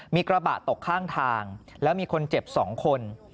มีกระบะตกข้างทางแล้วมีคนเจ็บ๒คน